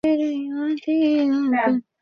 কিন্তু আবার বুঝি তাঁহার মনে অন্য ভাবের উদয় হইল।